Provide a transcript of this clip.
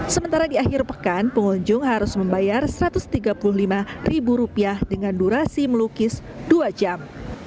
sementara di akhir pekan pengunjung harus membayar rp satu ratus tiga puluh lima dengan durasi melukis dua jam